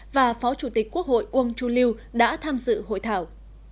và phó chủ tịch quốc hội quân chu liêu đã tham dự hội thảo